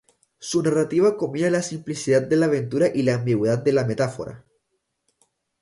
Su narrativa combina la simplicidad de la aventura y la ambigüedad de la metáfora.